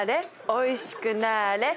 おいしくなーれ！